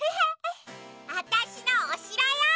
わたしのおしろよ！